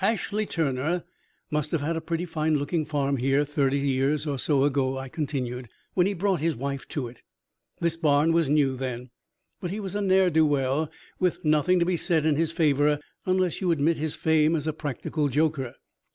"Ashley Turner must have had a pretty fine looking farm here thirty years or so ago," I continued, "when he brought his wife to it. This barn was new then. But he was a ne'er do well, with nothing to be said in his favor, unless you admit his fame as a practical joker.